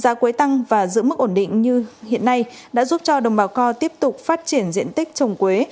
giá quế tăng và giữ mức ổn định như hiện nay đã giúp cho đồng bào co tiếp tục phát triển diện tích trồng quế